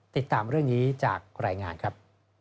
ติดตามเรื่องนี้จากรายงานครับ